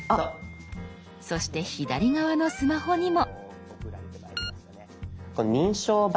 そして左側のスマホにも。